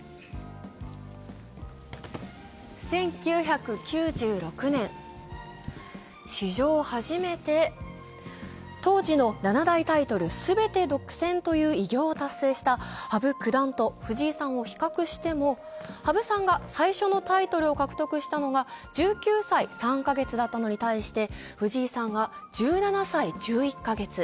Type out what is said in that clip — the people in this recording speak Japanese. １９９６年、史上初めて当時の七大タイトル全て独占という偉業を達成した羽生九段と藤井さんを比較しても、羽生さんが最初のタイトルを獲得したのが１９歳３カ月だったのに対して、藤井さんは１７歳１１カ月。